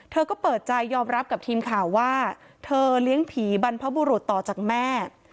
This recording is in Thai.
เธอก็เปิดใจยอมรับกับทีมข่าวว่าเธอเลี้ยงผีบรรพบุรุษต่อจากแม่